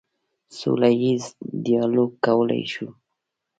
سوله ییز ډیالوګ کولی شو.